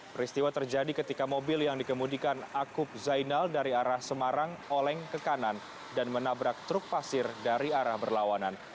peristiwa terjadi ketika mobil yang dikemudikan akub zainal dari arah semarang oleng ke kanan dan menabrak truk pasir dari arah berlawanan